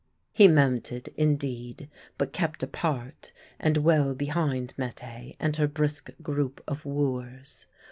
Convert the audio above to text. He mounted, indeed, but kept apart and well behind Mette and her brisk group of wooers.